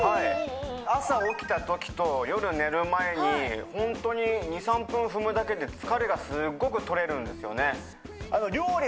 朝起きたときと夜寝る前にホントに２３分踏むだけで疲れがすっごく取れるんですよね